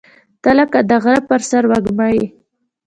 • ته لکه د غره پر سر وږمه یې.